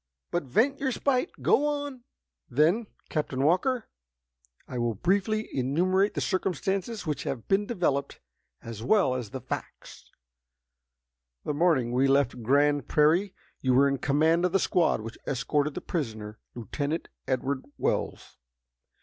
But, vent your spite! Go on!" "Then, Captain Walker, I will briefly enumerate the circumstances which have been developed, as well as the facts. The morning we left Grand Prairie you were in command of the squad which escorted the prisoner, Lieutenant Edward Wells.